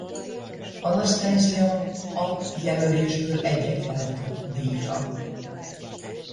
Anastacia hat jelölésből egyet váltott díjra.